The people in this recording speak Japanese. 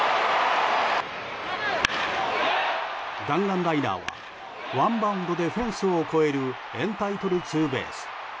弾丸ライナーはワンバウンドでフェンスを越えるエンタイトルツーベース。